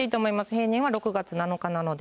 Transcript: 平年は６月７日なので。